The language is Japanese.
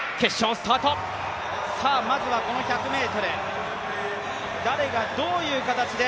まずはこの１００ｍ誰がどういう形で？